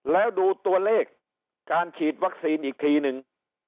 แล้วดูตัวเลขการฉีดวัคซีนอีกทีนึง